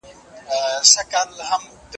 په جرګه کي به د هر چا ږغ اورېدل کيده.